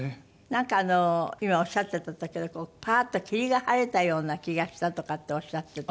なんかあの今おっしゃってたんだけどパーッと霧が晴れたような気がしたとかっておっしゃってた。